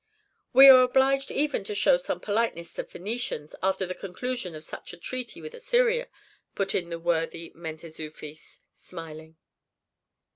"We are obliged even to show some politeness to Phœnicians after the conclusion of such a treaty with Assyria," put in the worthy Mentezufis, smiling.